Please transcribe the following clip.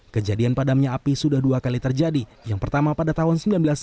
kejadian padamnya api sudah dua kali terjadi yang pertama pada tahun seribu sembilan ratus sembilan puluh